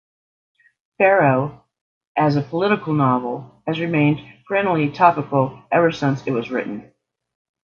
"Pharaoh", as a "political novel", has remained perennially topical ever since it was written.